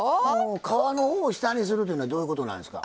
皮の方を下にするっていうのはどういうことなんですか？